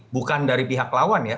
bukan dari pihak lawan ya